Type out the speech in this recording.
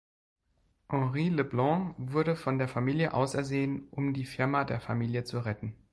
Henri Leblanc wurde von der Familie ausersehen, um die Firma der Familie zu retten.